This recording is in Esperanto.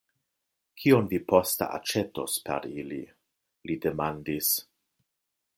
Kion vi poste aĉetos per ili? li demandis.